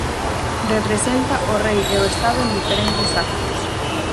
Representa o Rei e o Estado en diferentes actos.